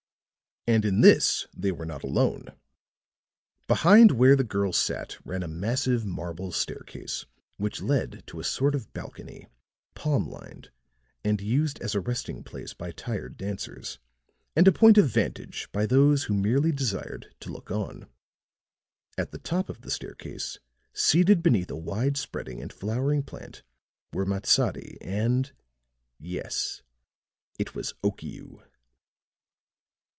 And in this they were not alone. Behind where the girl sat ran a massive marble staircase which led to a sort of balcony, palm lined and used as a resting place by tired dancers, and a point of vantage by those who merely desired to look on. At the top of the staircase, seated beneath a wide spreading and flowering plant, were Matsadi, and yes, it was Okiu!